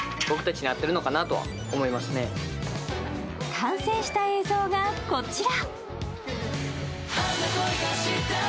完成した映像がこちら。